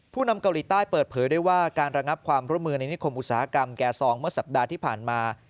นำเกาหลีใต้เปิดเผยได้ว่าการระงับความร่วมมือในนิคมอุตสาหกรรมแก่ซองเมื่อสัปดาห์ที่ผ่านมา